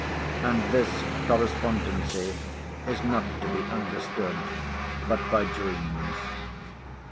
And this correspondency is not to be understood but by dreams.